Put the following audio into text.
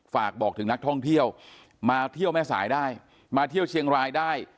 มาเที่ยวเชียงไวน์ได้มาเที่ยวเชียงไวน์ได้